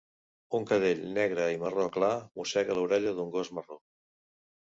Un cadell negre i marró clar mossega l'orella d'un gos marró.